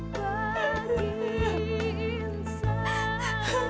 maafkan aku ibu